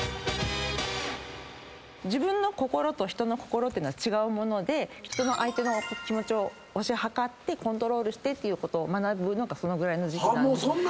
自分の心と人の心っていうのは違うもので相手の気持ちを推し量ってコントロールしてっていうことを学ぶのがそのぐらいの時期。